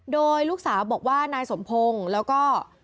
โดยลูกสาวบอกว่านายสมพงศ์แล้วก็